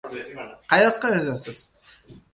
— Qayoqqa yozasiz?